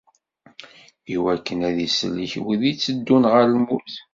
Iwakken ad isellek wid itteddun ɣer lmut.